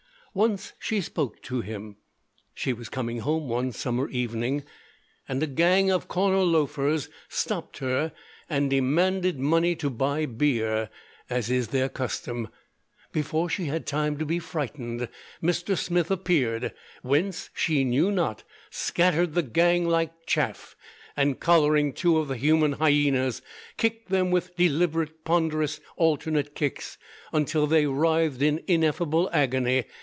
Once she spoke to him. She was coming home one summer evening, and a gang of corner loafers stopped her and demanded money to buy beer, as is their custom. Before she had time to be frightened, Mr. Smith appeared, whence, she knew not, scattered the gang like chaff, and collaring two of the human hyenas, kicked them, with deliberate, ponderous, alternate kicks, until they writhed in ineffable agony.